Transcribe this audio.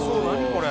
これ！